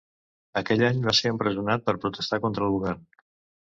Aquell any va ser empresonat per protestar contra el govern.